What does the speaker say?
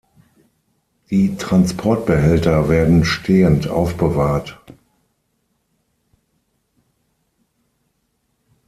Die Transportbehälter werden stehend aufbewahrt.